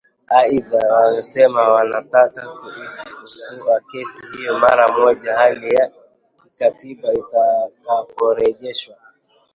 Aidha wanasema wanataka kuifufua kesi hiyo mara moja hali ya kikatiba itakaporejeshwa